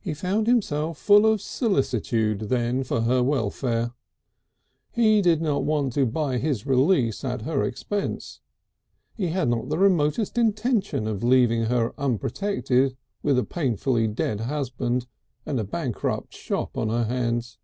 He found himself full of solicitude then for her welfare. He did not want to buy his release at her expense. He had not the remotest intention of leaving her unprotected with a painfully dead husband and a bankrupt shop on her hands.